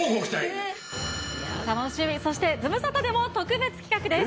楽しみ、そしてズムサタでも特別企画です。